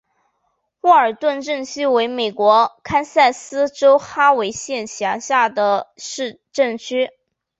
沃尔顿镇区为美国堪萨斯州哈维县辖下的镇区。